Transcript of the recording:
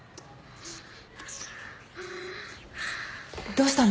どうしたの？